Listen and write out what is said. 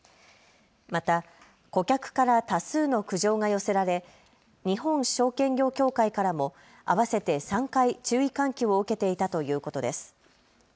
また顧客から多数の苦情が寄せられ日本証券業協会からも合わせて３回注意喚起を受けていたということです。